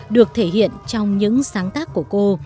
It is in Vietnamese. được thể hiện trong những sáng tác của cô